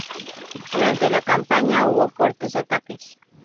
Durante la campaña hubo fuertes ataques.